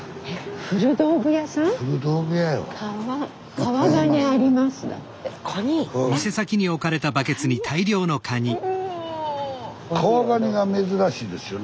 川がにが珍しいですよね